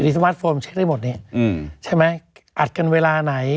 สมาร์ทโฟนเช็คได้หมดเนี่ยใช่ไหมอัดกันเวลาไหน